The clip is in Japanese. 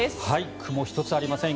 雲一つありません。